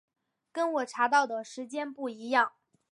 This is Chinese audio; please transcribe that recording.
跟我查到的时间不一样